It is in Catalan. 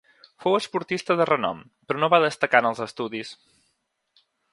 Fou esportista de renom però no va destacar en els estudis.